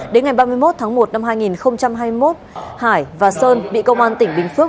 đến ngày ba mươi một tháng một năm hai nghìn hai mươi một hải và sơn bị công an tỉnh bình phước